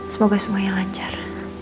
semoga semuanya lancar